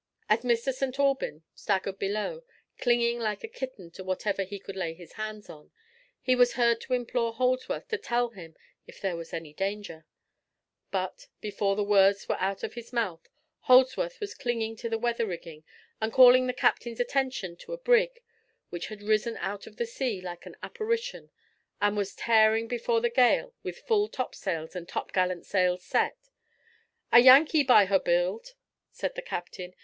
As Mr. St. Aubyn staggered below, clinging like a kitten to whatever he could lay hands on, he was heard to implore Holdsworth to tell him if there was any danger; but, before the words were out of his mouth, Holdsworth was clinging to the weather rigging and calling the captain's attention to a brig, which had risen out of the sea like an apparition, and was tearing before the gale with full topsails and topgallant sails set. "A Yankee, by her build!" said the captain.